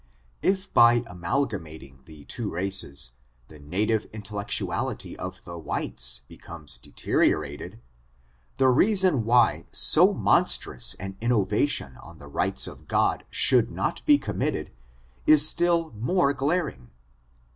If by amalgating the two races, the native intel> lectuality of the whites becomes deteriorated, the reason why so monstrous an innovation on the rights of God should not be committed, is still more glaring.